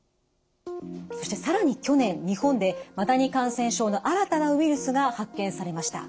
そして更に去年日本でマダニ感染症の新たなウイルスが発見されました。